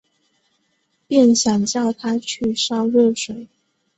便想叫她去烧热水